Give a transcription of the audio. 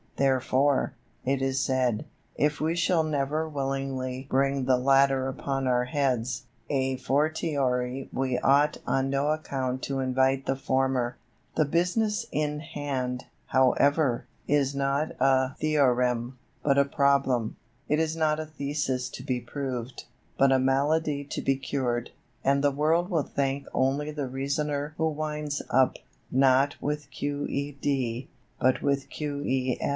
Therefore, it is said, if we shall never willingly bring the latter upon our heads, à fortiori we ought on no account to invite the former. The business in hand, however, is not a theorem, but a problem; it is not a thesis to be proved, but a malady to be cured; and the world will thank only the reasoner who winds up, not with Q.E.D., but with Q.E.